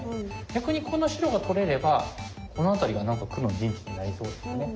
逆にこの白が取れればこの辺りがなんか黒の陣地になりそうですよね。